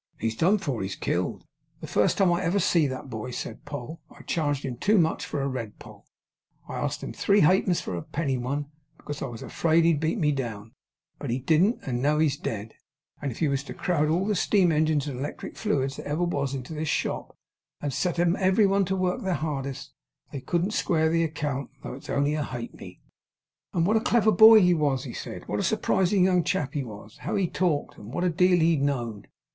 He's done for. He's killed. The first time I ever see that boy,' said Poll, 'I charged him too much for a red poll. I asked him three halfpence for a penny one, because I was afraid he'd beat me down. But he didn't. And now he's dead; and if you was to crowd all the steam engines and electric fluids that ever was, into this shop, and set 'em every one to work their hardest, they couldn't square the account, though it's only a ha'penny!' Mr Sweedlepipe turned aside to the towel, and wiped his eyes with it. 'And what a clever boy he was!' he said. 'What a surprising young chap he was! How he talked! and what a deal he know'd!